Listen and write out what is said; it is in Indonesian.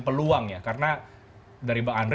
peluang ya karena dari bang andre